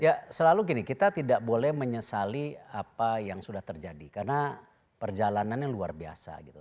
ya selalu gini kita tidak boleh menyesali apa yang sudah terjadi karena perjalanannya luar biasa gitu